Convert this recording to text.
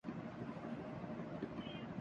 خالد کے والد ولید بن مغیرہ تھے، جو حجاز کے مکہ